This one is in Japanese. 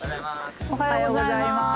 おはようごさいます。